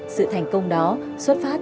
sự thành công đó xuất phát